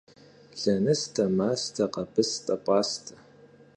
Лэныстэ, мастэ, къэбыстэ, пӏастэ.